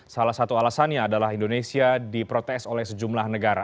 salah satu alasannya adalah indonesia diprotes oleh sejumlah negara